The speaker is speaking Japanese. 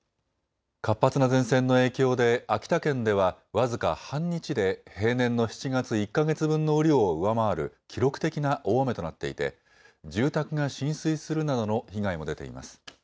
活発な前線の影響で秋田県では僅か半日で平年の７月１か月分の雨量を上回る記録的な大雨となっていて住宅が浸水するなどの被害も出ています。